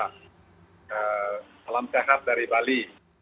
salam sehat dari bali